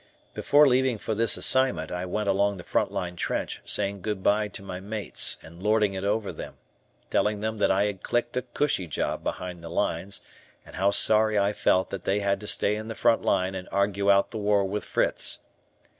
Before leaving for this assignment I went along the front line trench saying good bye to my mates and lording it over them, telling them that I had clicked a cushy job behind the lines, and how sorry I felt that they had to stay in the front line and argue out the war with Fritz.